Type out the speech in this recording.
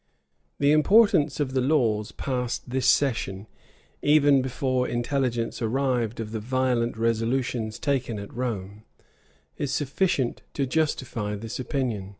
The importance of the laws passed this session, even before intelligence arrived of the violent resolutions taken at Rome, is sufficient to justify this opinion.